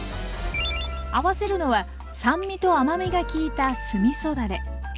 合わせるのは酸味と甘みが効いた酢みそだれ。